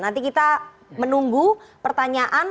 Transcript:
nanti kita menunggu pertanyaan